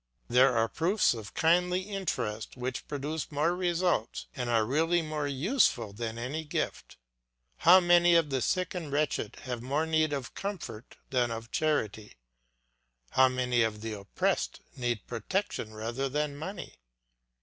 There are proofs of kindly interest which produce more results and are really more useful than any gift; how many of the sick and wretched have more need of comfort than of charity; how many of the oppressed need protection rather than money?